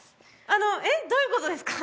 あのえっどういうことですか？